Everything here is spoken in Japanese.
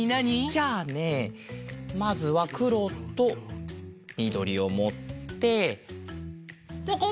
じゃあねまずはくろとみどりをもってぽこ！